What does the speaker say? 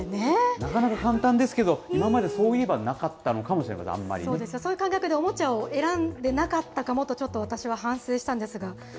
なかなか、簡単ですけど、今までそういえば、なかったのかもそういう感覚で、おもちゃを選んでなかったかもとちょっと私は反省したんですが。